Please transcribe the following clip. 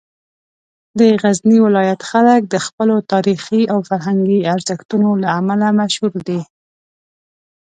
د غزني ولایت خلک د خپلو تاریخي او فرهنګي ارزښتونو له امله مشهور دي.